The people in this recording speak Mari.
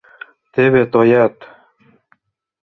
Теве тоят.